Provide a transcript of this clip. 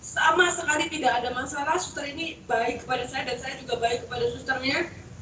sama sekali tidak ada masalah suster ini baik kepada saya dan saya juga baik kepada susternya